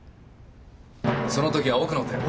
その時は奥の手を。